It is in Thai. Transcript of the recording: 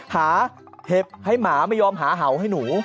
หาเห็บให้หมาไม่ยอมหาเห่าให้หนู